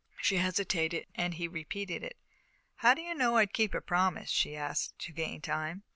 She hesitated, and he repeated it. "How do you know I'd keep a promise?" she asked, to gain time.